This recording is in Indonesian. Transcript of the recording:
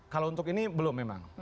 kalau untuk ini belum memang